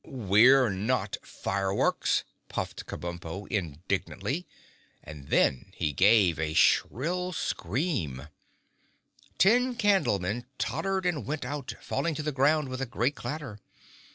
"We're not fireworks," puffed Kabumpo indignantly and then he gave a shrill scream. Ten Candlemen tottered and went out, falling to the ground with a great clatter.